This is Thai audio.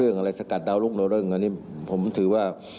เรื่องอะไรสกัดดาวรุ่งอันนี้ผมถือว่า